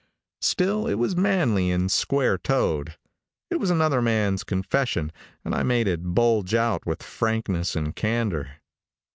Still it was manly and square toed. It was another man's confession, and I made it bulge out with frankness and candor.